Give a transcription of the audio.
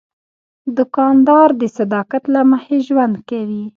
دوکاندار د صداقت له مخې ژوند کوي.